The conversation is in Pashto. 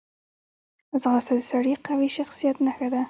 ځغاسته د سړي قوي شخصیت نښه ده